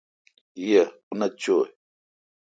یہ او نتھ چوی۔